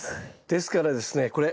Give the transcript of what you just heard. ですからですねこれ。